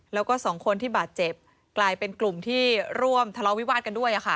แล้วก็สองคนที่บาดเจ็บกลายเป็นกลุ่มที่ร่วมทะเลาวิวาสกันด้วย